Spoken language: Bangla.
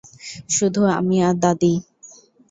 শুধু আমি আর দাদী!